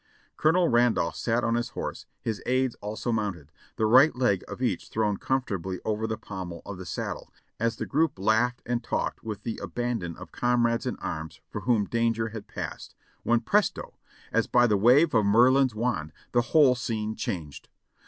Colonel Ran dolph sat on his horse, his aids also mounted, the right leg of each thrown comfortably over the pommel of the saddle, as the group laughed and talked with the abandon of comrades in arms for whom danger had passed, when presto ! as by the wave of Merlin's wand the whole scene changed.